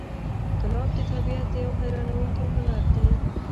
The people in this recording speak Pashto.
ګلاب د طبیعت یو حیرانوونکی هنر دی.